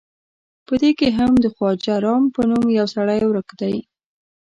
په دې کې هم د خواجه رام په نوم یو سړی ورک دی.